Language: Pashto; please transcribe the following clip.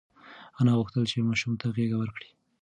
انا غوښتل چې ماشوم ته غېږه ورکړي.